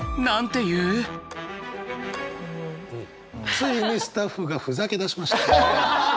ついにスタッフがふざけだしました。